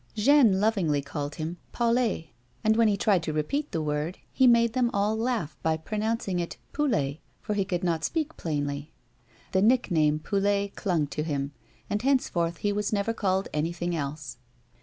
Jeanne lovingly called him " Paulet," and, when he tried to repeat the word, he made them all laugh by pronouncing it " Poulet," for he could not speak plainly. Tlie nickname "Poulet" clung to him, and henceforth he was never called anything else.